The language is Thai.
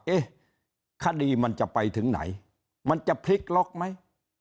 เอ๊ะคดีมันจะไปถึงไหนมันจะพลิกล็อกไหม